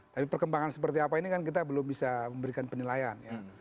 tapi perkembangan seperti apa ini kan kita belum bisa memberikan penilaian